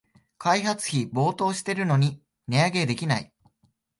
開発費暴騰してるのに値上げできない